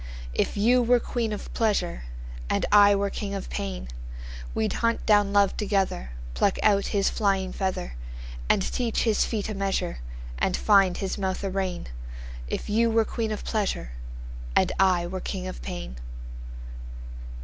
If you were queen of pleasure, And I were king of pain, We'd hunt down love together, Pluck out his flying feather, And teach his feet a measure, And find his mouth a rein; If you were queen of pleasure. And I were king of pain.